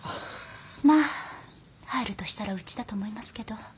まあ入るとしたらうちだと思いますけど。